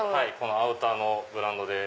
アウターのブランド。